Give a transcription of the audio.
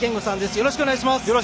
よろしくお願いします。